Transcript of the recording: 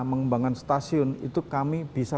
mengembangkan stasiun itu kami bisa